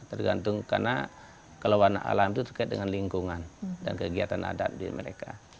tergantung karena kalau warna alam itu terkait dengan lingkungan dan kegiatan adat di mereka